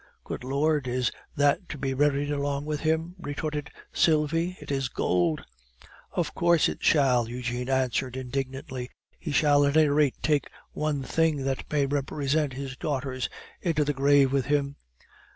"Good Lord! is that to be buried along with him?" retorted Sylvie. "It is gold." "Of course it shall!" Eugene answered indignantly; "he shall at any rate take one thing that may represent his daughters into the grave with him."